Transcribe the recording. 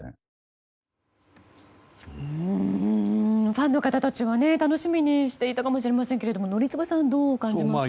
ファンの方たちは楽しみにしていたかもしれませんけれども宜嗣さんどうお感じになりますか。